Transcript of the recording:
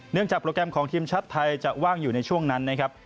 จากโปรแกรมของทีมชาติไทยจะว่างอยู่ในช่วงนั้นนะครับ